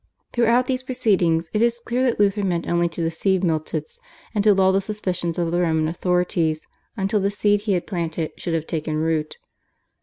Throughout these proceedings it is clear that Luther meant only to deceive Miltitz and to lull the suspicions of the Roman authorities, until the seed he had planted should have taken root.